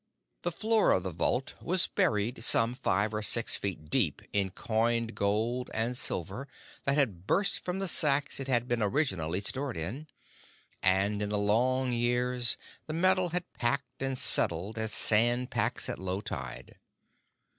The floor of the vault was buried some five or six feet deep in coined gold and silver that had burst from the sacks it had been originally stored in, and, in the long years, the metal had packed and settled as sand packs at low tide.